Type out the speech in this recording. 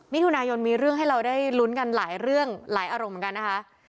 มิถุนายนมีเรื่องให้เราได้ลุ้นกันหลายเรื่องหลายอารมณ์เหมือนกันนะคะ